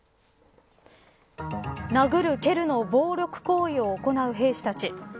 殴る、蹴るの暴力行為を行う兵士たち。